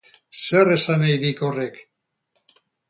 Zer esan nahi dik horrek?